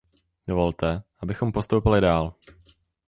Dovolte, abychom postoupili dál.